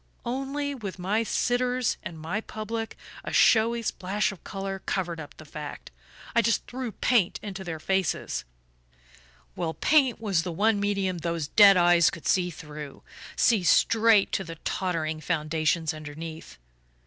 Only, with my sitters and my public, a showy splash of colour covered up the fact I just threw paint into their faces.... Well, paint was the one medium those dead eyes could see through see straight to the tottering foundations underneath.